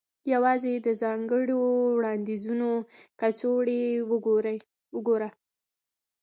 یوازې د ځانګړو وړاندیزونو کڅوړې وګوره